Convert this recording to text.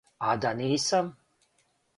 А да нисам?